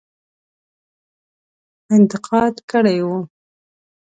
انتقاد کړی وو.